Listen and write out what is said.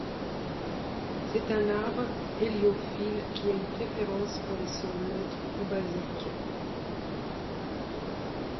C'est un arbre héliophile qui a une préférence pour les sols neutres ou basiques.